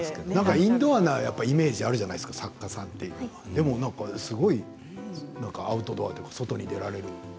インドアなイメージがあるじゃないですか作家さんってすごいアウトドア。